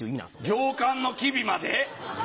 行間の機微まで？